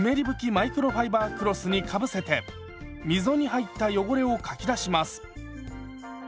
マイクロファイバークロスにかぶせて溝に入った汚れをかき出します。